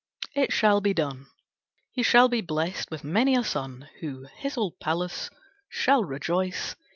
"It shall be done. He shall be blest with many a son Who his old palace shall rejoice."